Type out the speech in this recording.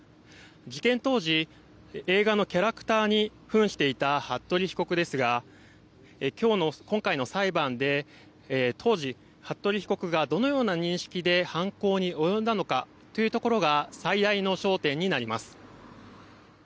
事件当時映画のキャラクターに扮していた服部被告ですが今回の裁判で当時、服部被告がどのような認識で犯行に及んだのかというところが最大の焦点になります。